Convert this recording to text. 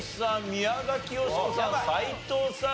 宮崎美子さん斎藤さん